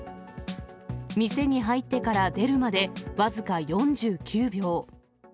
店に入ってから出るまで僅か４９秒。